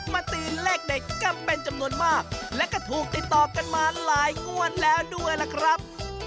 ตีเลขเด็ดกันเป็นจำนวนมากและก็ถูกติดต่อกันมาหลายงวดแล้วด้วยล่ะครับ